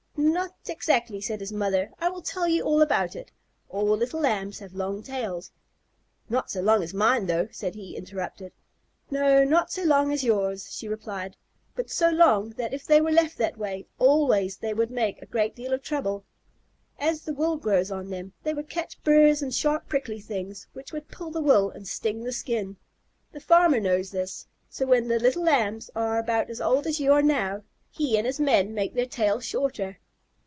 "Not exactly," said his mother. "I will tell you all about it. All little Lambs have long tails " "Not so long as mine, though," said he, interrupting. "No, not so long as yours," she replied, "but so long that if they were left that way always they would make a great deal of trouble. As the wool grows on them, they would catch burrs and sharp, prickly things, which would pull the wool and sting the skin. The farmer knows this, so when the little Lambs are about as old as you are now, he and his men make their tails shorter."